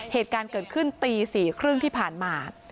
เหตุการณ์เกิดขึ้นตี๔๓๐ที่ผ่านมา